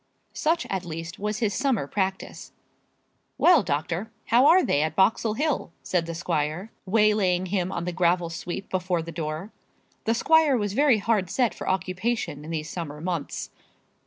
Such, at least, was his summer practice. "Well, doctor, how are they at Boxall Hill?" said the squire, waylaying him on the gravel sweep before the door. The squire was very hard set for occupation in these summer months.